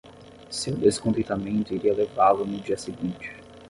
Seu descontentamento iria levá-lo no dia seguinte.